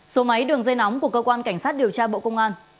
số máy đường dây nóng của cơ quan cảnh sát điều tra bộ công an